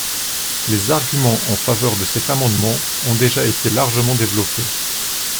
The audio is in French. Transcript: Les arguments en faveur de cet amendement ont déjà été largement développés.